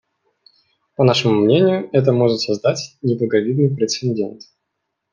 По нашему мнению, это может создать неблаговидный прецедент.